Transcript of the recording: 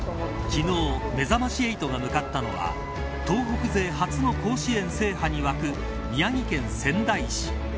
昨日めざまし８が向かったのは東北勢初の甲子園制覇に沸く宮城県仙台市。